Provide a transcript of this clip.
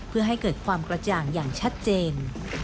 เพื่อให้เกิดความกระจ่างอย่างชัดเจน